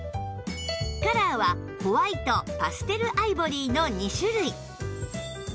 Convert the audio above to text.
カラーはホワイトパステルアイボリーの２種類